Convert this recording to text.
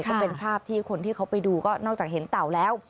ก็เป็นภาพที่คนที่เขาไปดูก็นอกจากเห็นเต่าแล้ว